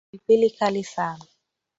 Pilipili kali sana.